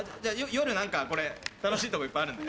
夜何かこれ楽しいとこいっぱいあるんで。